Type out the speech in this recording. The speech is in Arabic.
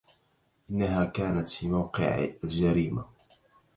إنها كانت في موقع الجريمة.